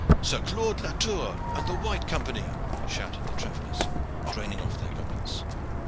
"Sir Claude Latour and the White Company!" shouted the travellers, draining off their goblets.